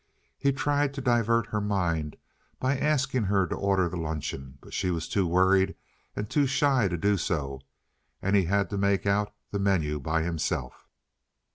He tried to divert her mind by asking her to order the luncheon, but she was too worried and too shy to do so and he had to make out the menu by himself.